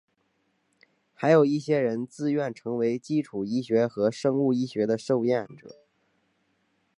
还有一些人自愿成为基础医学和生物学实验的受实验者。